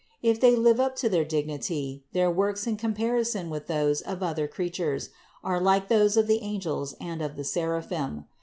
If they live up to their dignity, their works in comparison with those of the other creatures, are like those of the angels and of the seraphim.